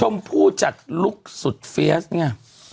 ชมพู่จัดลุกสุดเฟียสเนี่ย